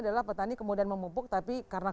adalah petani kemudian memupuk tapi karena